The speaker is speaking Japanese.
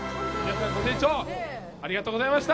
ご清聴ありがとうございました。